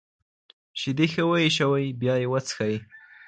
شیدې ښه وایشوئ بیا یې وڅښئ.